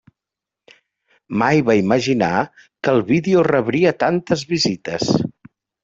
Mai va imaginar que el vídeo rebria tantes visites.